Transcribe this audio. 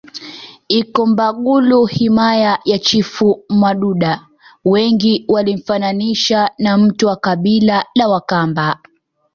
Ikombagulu himaya ya chifu Mwamududa Wengi walimfananisha na mtu wa kabila la wakamba